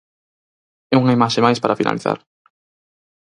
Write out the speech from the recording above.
E unha imaxe máis para finalizar.